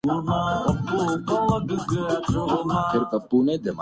میں نے وجہ پوچھی۔